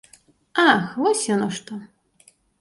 Ах, вось яно што!